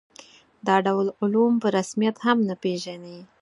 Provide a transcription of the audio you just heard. دا ډول علوم په رسمیت هم نه پېژني.